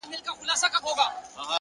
د زده کړې مینه انسان ځوان ساتي,